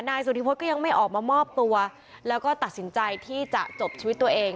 สุธิพฤษก็ยังไม่ออกมามอบตัวแล้วก็ตัดสินใจที่จะจบชีวิตตัวเอง